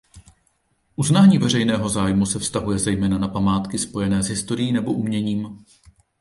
Uznání veřejného zájmu se vztahuje zejména na památky spojené s historií nebo uměním.